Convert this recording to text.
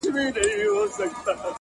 خپل هدف ته وفادار پاتې شئ